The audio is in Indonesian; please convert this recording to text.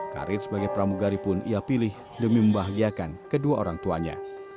karir sebagai pramugari pun ia pilih demi membahagiakan kedua orang tuanya